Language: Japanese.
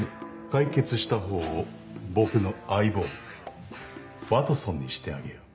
解決したほうを僕の相棒ワトソンにしてあげよう。